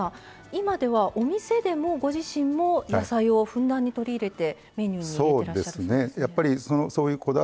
今ではお店でもご自身も野菜をふんだんに取り入れてメニューに入れてらっしゃるそうですね。